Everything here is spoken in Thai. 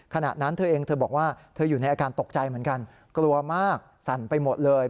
ขณะนั้นเธอเองเธอบอกว่าเธออยู่ในอาการตกใจเหมือนกันกลัวมากสั่นไปหมดเลย